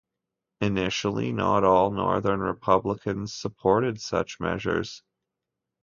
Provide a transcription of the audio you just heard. Initially, not all northern Republicans supported such measures.